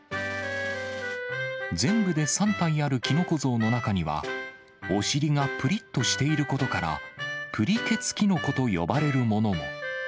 全部で３体あるきのこ像の中には、お尻がぷりっとしていることから、プリけつきのこと呼ばれるものも。